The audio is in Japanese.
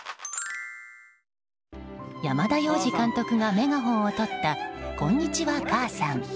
山田洋次監督がメガホンをとった「こんにちは、母さん」。